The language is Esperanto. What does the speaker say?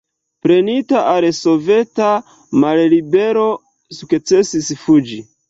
Prenita al soveta mallibero sukcesis fuĝi.